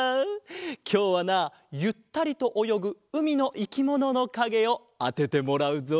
きょうはなゆったりとおよぐうみのいきもののかげをあててもらうぞ！